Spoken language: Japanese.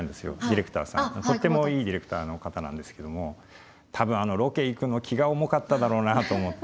とってもいいディレクターの方なんですけども多分あのロケ行くの気が重かっただろうなと思って。